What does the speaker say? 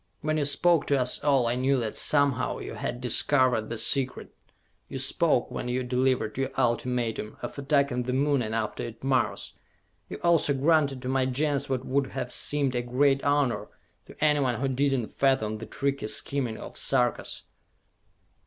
When you spoke to us all, I knew that somehow you had discovered the secret! You spoke, when you delivered your ultimatum, of attacking the Moon, and after it Mars! You also granted to my Gens what would have seemed a great honor to anyone who did not fathom the tricky scheming of the Sarkas!